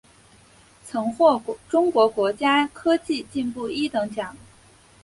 曾获中国国家科技进步一等奖。